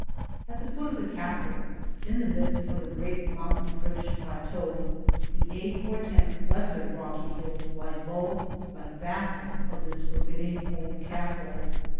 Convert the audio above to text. At the foot of the castle, in the midst of the great mountain fringed plateau, the eight or ten lesser rocky hills lie low like vassals of the forbidding old castle.